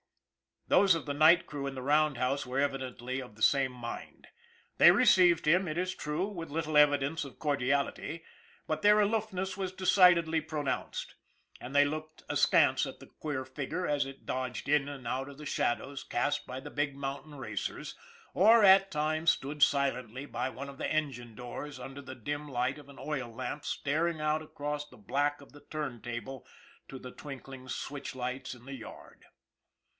Those of the night crew in the roundhouse were evidently of the same mind. They received him, it is true, with little evidence of cordiality, but their aloof ness was decidedly pronounced, and they looked ask ance at the queer figure as it dodged in and out of the shadows cast by the big mountain racers, or, at times, stood silently by one of the engine doors under the dim light of an oil lamp staring out across the black of the turntable to the twinkling switch lights in the yard.